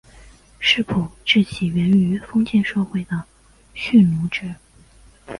世仆制起源于封建社会的蓄奴制。